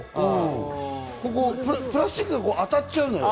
プラスチックが当たっちゃうのよ。